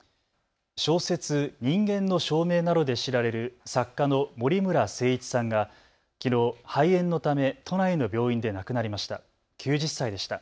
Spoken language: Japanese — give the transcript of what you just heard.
小説、人間の証明などで知られる作家の森村誠一さんがきのう肺炎のため都内の病院で亡くなりました。